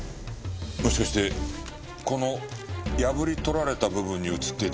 もしかしてこの破り取られた部分に写っていたのは。